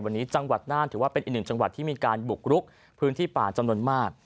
วันนี้จังหวัดน่านถือว่าเป็นอีกหนึ่งจังหวัดที่มีการบุกรุกพื้นที่ป่าจำนวนมาก